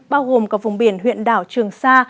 bao gồm cả vùng biển huyện đảo trường sa